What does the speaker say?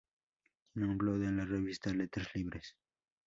Tiene un blog en la revista "Letras Libres".